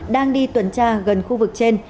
đang đi tuần tra gần khu vực trên